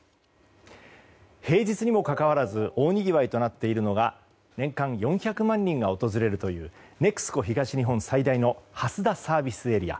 平日にもかかわらず大にぎわいとなっているのが年間４００万人が訪れるというＮＥＸＣＯ東日本最大の蓮田ＳＡ。